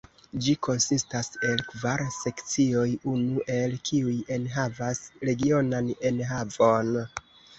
Ĝi konsistas el kvar sekcioj, unu el kiuj enhavas regionan enhavon.